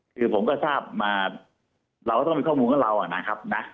คือผมก็ทราบมาเราก็ต้องมีข้อมูลกับเรานะครับนะ